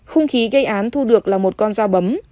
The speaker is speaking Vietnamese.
hung khí gây án thu được là một con dao bấm